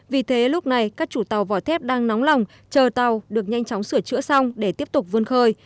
vì thế lúc này các chủ tàu vỏ thép đang nóng lòng chờ tàu được nhanh chóng sửa chữa xong để tiếp tục vươn khơi